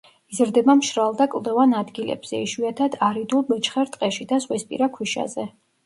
იზრდება მშრალ და კლდოვან ადგილებზე, იშვიათად არიდულ მეჩხერ ტყეში და ზღვისპირა ქვიშაზე.